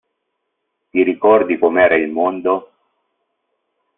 Ti ricordi com'era il mondo?